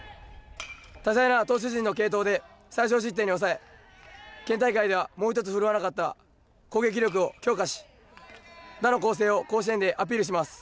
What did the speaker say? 多彩な投手陣の継投で最少失点に抑え県大会ではもう一つ奮わなかった攻撃力を強化し、打の光星を甲子園でアピールします。